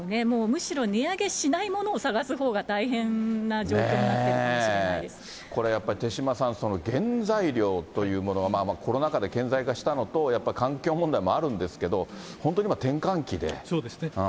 もうむしろ、値上げしないものを探すほうが大変な状況になってるかもしれないこれやっぱり手嶋さん、原材料というものは、コロナ禍で顕在化したのと、やっぱり環境問題もあるんですけど、本当に今、そうですね。